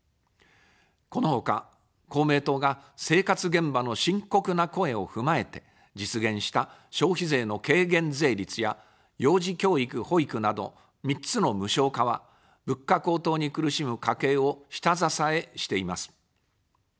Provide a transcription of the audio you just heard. このほか、公明党が生活現場の深刻な声を踏まえて実現した消費税の軽減税率や幼児教育・保育など３つの無償化は、物価高騰に苦しむ家計を下支えしています。